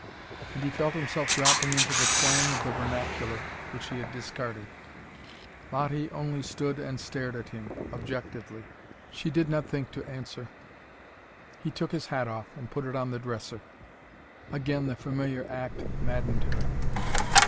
And he felt himself dropping into the twang of the vernacular, which he had discarded. Lottie only stood and stared at him, objectively. She did not think to answer. He took his hat off, and put it on the dresser. Again the familiar act maddened her.